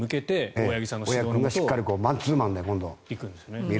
大八木君がしっかりマンツーマンで見る。